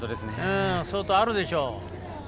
相当あるでしょう。